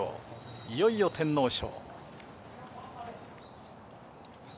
いよいよ天皇賞。